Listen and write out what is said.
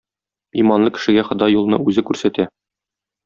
Иманлы кешегә Ходай юлны үзе күрсәтә.